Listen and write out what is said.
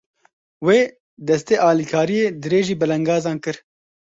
Wê, destê alîkariyê dirêjî belengazan kir.